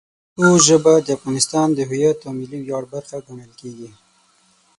پښتو ژبه د افغانستان د هویت او ملي ویاړ برخه ګڼل کېږي.